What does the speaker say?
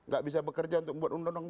gak bisa bekerja untuk membuat undang undang